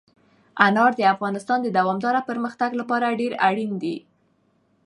انار د افغانستان د دوامداره پرمختګ لپاره ډېر اړین دي.